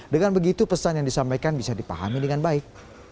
dengan begitu pesan yang disampaikan bisa dipahami dengan baik